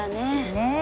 ねえ。